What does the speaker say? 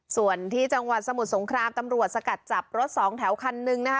ส่วนที่จังหวัดสมุทรสงครามตำรวจสกัดจับรถสองแถวคันนึงนะคะ